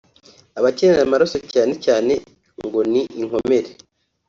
Abakenera amaraso cyane cyane ngo ni inkomere